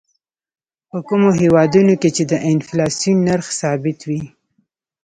په کومو هېوادونو کې چې د انفلاسیون نرخ ثابت وي.